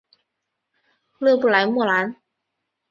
勒布莱莫兰。